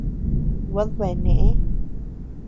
Guad bea neʼë.